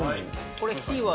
これ火は？